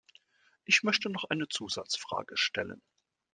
Ich möchte noch eine Zusatzfrage stellen.